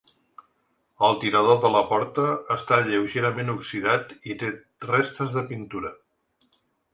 El tirador de la porta està lleugerament oxidat i té restes de pintura.